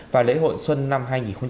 và lễ hội xuân năm hai nghìn một mươi sáu